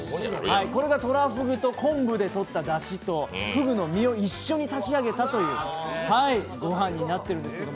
これがとらふぐと昆布でとっただしとふぐの身を一緒に炊き上げたごはんになってるんですけど、